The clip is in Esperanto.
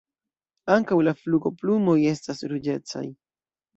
Ankaŭ la flugoplumoj estas ruĝecaj.